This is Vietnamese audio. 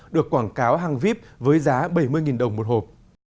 được quảng cáo hàng vip với giá bảy mươi đồng một hộp